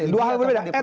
dua hal berbeda